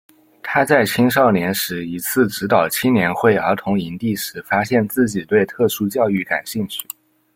他在青少年时一次指导青年会儿童营地时发现自己对特殊教育感兴趣。